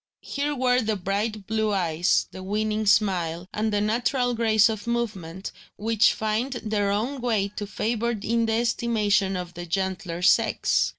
Here were the bright blue eyes, the winning smile, and the natural grace of movement, which find their own way to favour in the estimation of the gentler sex.